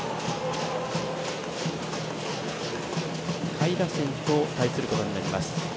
下位打線と対することになります。